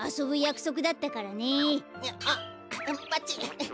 あっばっちい。